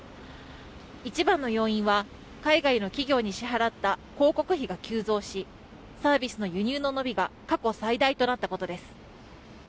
一番の要因は、海外の企業に支払った広告費が急増しサービスの輸入の伸びが過去最大となったことです。